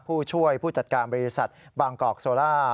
ผู้ช่วยผู้จัดการบริษัทบางกอกโซล่า